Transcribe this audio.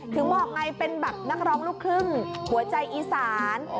บอกไงเป็นแบบนักร้องลูกครึ่งหัวใจอีสาน